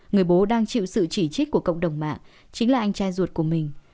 người bố đang chịu sự chỉ trích của cộng đồng mạng chính là anh trai ruột của mình